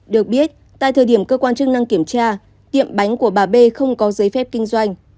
được biết tại thời điểm cơ quan chức năng kiểm tra tiệm bánh của bà b không có giấy phép kinh doanh